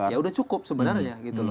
ya sudah cukup sebenarnya